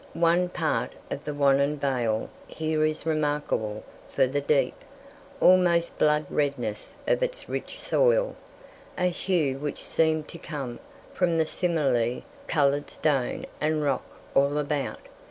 One part of the Wannon vale here is remarkable for the deep, almost blood redness of its rich soil, a hue which seemed to come from the similarly coloured stone and rock all about.